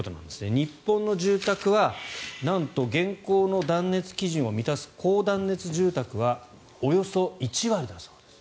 日本の住宅はなんと現行の断熱基準を満たす高断熱住宅はおよそ１割だそうです。